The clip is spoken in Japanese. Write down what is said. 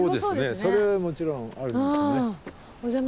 それはもちろんあるでしょうね。